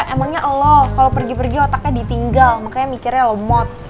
emangnya allah kalau pergi pergi otaknya ditinggal makanya mikirnya lemot